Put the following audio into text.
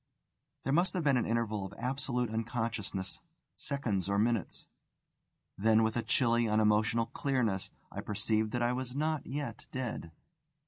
There must have been an interval of absolute unconsciousness, seconds or minutes. Then with a chilly, unemotional clearness, I perceived that I was not yet dead.